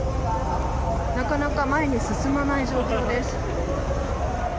なかなか前に進まない状況です。